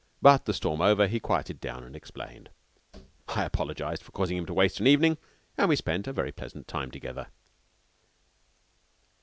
But, the storm over, he quieted down and explained. I apologized for causing him to waste an evening, and we spent a very pleasant time together.